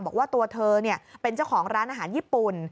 บอกว่าตัวเธอเป็นเจ้าของร้านอาหารญี่ปุ่น